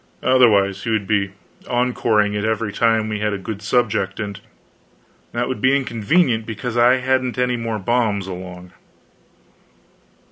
Otherwise he would be encoring it every time we had a good subject, and that would be inconvenient, because I hadn't any more bombs along.